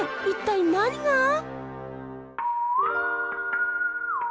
一体何が？